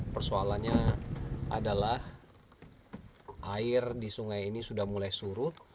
persoalannya adalah air di sungai ini sudah mulai surut